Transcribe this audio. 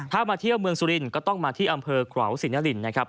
ถ้ามาเที่ยวเมืองสุรินทร์ก็ต้องมาที่อำเภอขวาวสินรินนะครับ